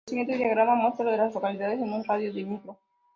El siguiente diagrama muestra a las localidades en un radio de de Micro.